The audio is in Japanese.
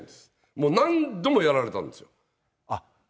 もう何度もやられたんです。